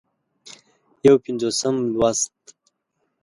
یو پينځوسم لوست